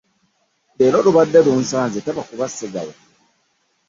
Leero lubadde lunsaze taba kuba Ssegawa!